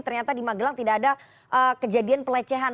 ternyata di magelang tidak ada kejadian pelecehan